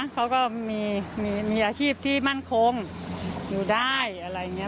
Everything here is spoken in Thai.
เขาก็มีอาชีพที่มั่นคงอยู่ได้อะไรอย่างนี้